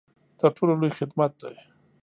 تر ټولو لوی خدمت دی.